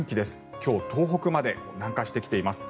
今日、東北まで南下してきています。